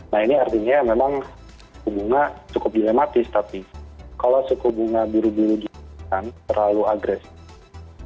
nah ini artinya memang suku bunga cukup dilematis tapi kalau suku bunga buru buru diperhatikan terlalu agresif